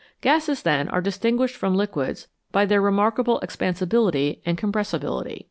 Gases, then, are distinguished from liquids by their re markable expansibility and compressibility.